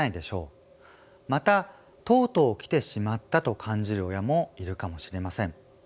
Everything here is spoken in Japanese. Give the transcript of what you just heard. また「とうとう来てしまった」と感じる親もいるかもしれません。